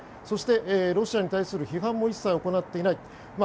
そして、ロシアに対する批判も一切行っていないと。